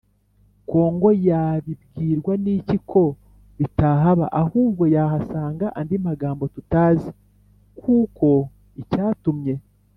kongo yabibwirwa n’iki ko bitahaba? ahubwo yahasanga andi magambo tutazi, kuko icyatumye